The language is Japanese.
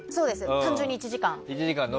単純に１時間。